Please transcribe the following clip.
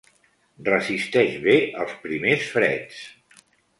Resisteix bé els primers freds.